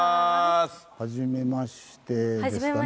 はじめましてですかね。